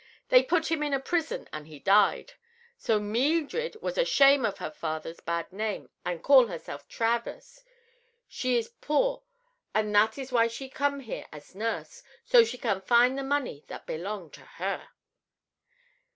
"They put him in a prison an' he died. So Meeldred was ashame of her father's bad name an' call herself Travers. She is poor, an' that is why she come here as nurse, so she can find the money that belong to her."